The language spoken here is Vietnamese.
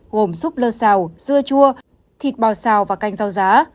gồm súp lơ xào dưa chua thịt bò xào và canh rau giá